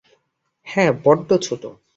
হ্যাঁ, বড্ড ছোট।